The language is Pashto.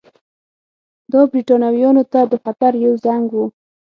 دا برېټانویانو ته د خطر یو زنګ وو.